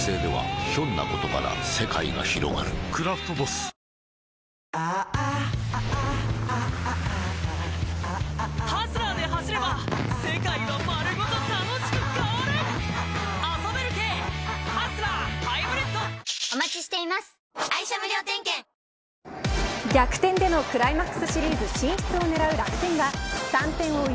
「クラフトボス」逆転でのクライマックスシリーズ進出を狙う楽天は３点を追う